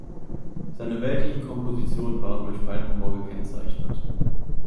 Seine weltlichen Kompositionen waren durch feinen Humor gekennzeichnet.